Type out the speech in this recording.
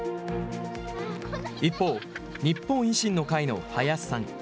一方、日本維新の会の林さん。